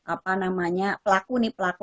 apa namanya pelaku nih pelaku